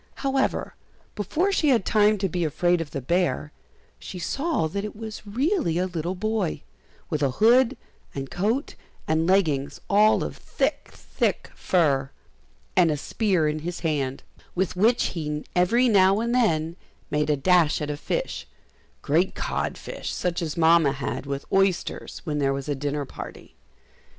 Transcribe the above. However, before she had time to be afraid of the bear, she saw that it was really a little boy, with a hood and coat and leggings all of thick, thick fur, and a spear in his hand, with which he every now and then made a dash at a fish, great cod fish, such as Mamma had, with oysters, when there was a dinner party.